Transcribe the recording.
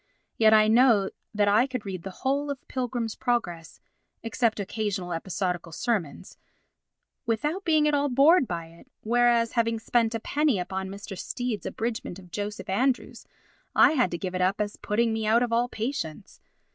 Yet I know that I could read the whole of The Pilgrim's Progress (except occasional episodical sermons) without being at all bored by it, whereas, having spent a penny upon Mr. Stead's abridgement of Joseph Andrews, I had to give it up as putting me out of all patience.